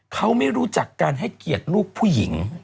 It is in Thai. เขาไม่รู้จักการให้เกียรติลูกผู้หญิง